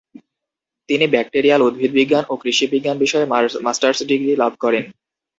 তিনি ব্যাক্টেরিয়াল উদ্ভিদবিজ্ঞান ও কৃষিবিজ্ঞান বিষয়ে মাস্টার্স ডিগ্রি লাভ করেন।